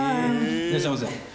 いらっしゃいませ。